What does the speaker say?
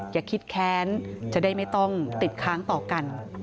อย่าคิดแค้นจะได้ไม่ต้องติดค้างต่อกัน